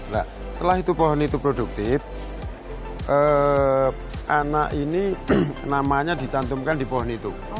nah setelah itu pohon itu produktif anak ini namanya dicantumkan di pohon itu